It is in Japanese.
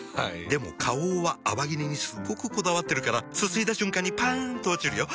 でも花王は泡切れにすっごくこだわってるからすすいだ瞬間にパン！と落ちるよ。